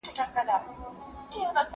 سندري ووايه!؟